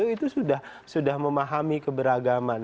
itu sudah memahami keberagaman